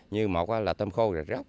như một là tôm khô rạch róc